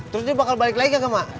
terus dia bakal balik lagi gak ke emak